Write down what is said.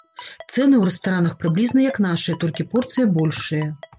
Цэны ў рэстаранах прыблізна як нашыя, толькі порцыі большыя.